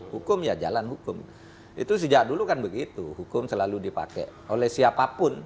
hukum ya jalan hukum itu sejak dulu kan begitu hukum selalu dipakai oleh siapapun